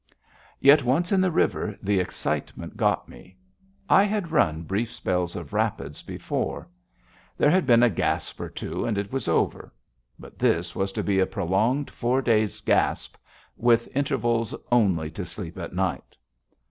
Yet once in the river, the excitement got me. I had run brief spells of rapids before. There had been a gasp or two and it was over. But this was to be a prolonged four days' gasp, with intervals only to sleep at night.